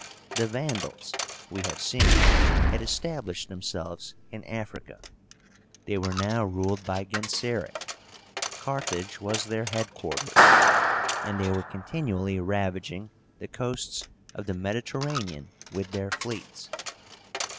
The VANDALS, we have seen, had established themselves in Africa. They were now ruled by GENSERIC. Carthage was their head quarters, and they were continually ravaging the coasts of the Mediterranean with their fleets.